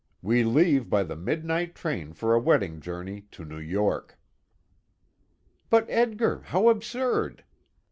We leave by the midnight train for a wedding journey to New York." "But, Edgar, how absurd!"